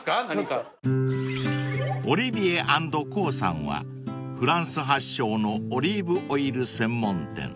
［ＯＬＩＶＩＥＲＳ＆ＣＯさんはフランス発祥のオリーブオイル専門店］